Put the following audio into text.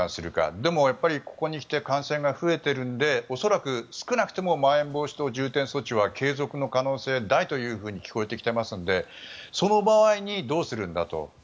でも、ここに来て感染が増えているので恐らく、少なくともまん延防止等重点措置は継続の可能性大というふうに聞こえてきていますのでその場合にどうするんだと。